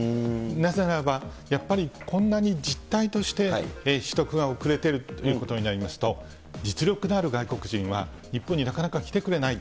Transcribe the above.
なぜならばやっぱり、こんなに実態として取得が遅れてるということになりますと、実力のある外国人は日本になかなか来てくれない。